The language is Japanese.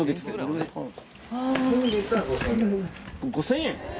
５０００円！？